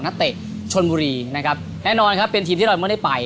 เตะชนบุรีนะครับแน่นอนครับเป็นทีมที่เราไม่ได้ไป